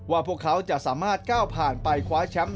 พวกเขาจะสามารถก้าวผ่านไปคว้าแชมป์